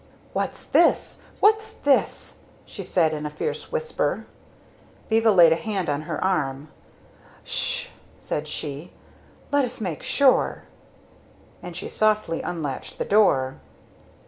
"What's this! What's this!" she said in a fierce whisper. Viva laid a hand on her arm. "Sh!" said she. "Let us make sure!" and she softly unlatched the door.